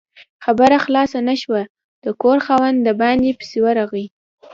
خبره خلاصه نه شوه، د کور خاوند د باندې پسې ورغی